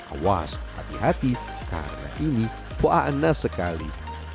awas hati hati karena ini buah anas sekali